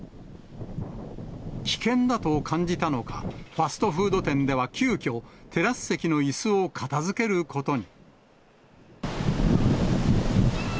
危険だと感じたのか、ファストフード店では急きょ、テラス席のいすを片づけることに。